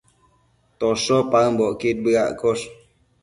tosho paëmbocquid bëaccosh